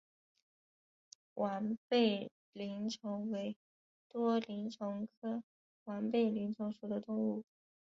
完背鳞虫为多鳞虫科完背鳞虫属的动物。